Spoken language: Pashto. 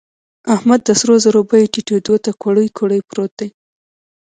احمد د سرو زرو بيې ټيټېدو ته کوړۍ کوړۍ پروت دی.